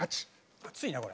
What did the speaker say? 熱いなこれ。